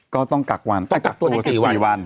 ก็ต้องกักวันต้องกักตัว๑๔วัน